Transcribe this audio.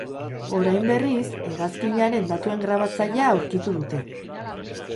Orain, berriz, hegazkinaren datuen grabatzailea aurkitu dute.